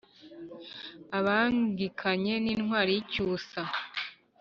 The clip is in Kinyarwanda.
Abangikanye n’Intwari-y’icyusa